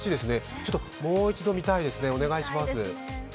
ちょっともう一度見たいですね、お願いします。